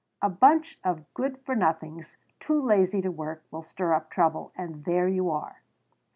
"A bunch of good for nothings, too lazy to work, will stir up trouble, and there you are."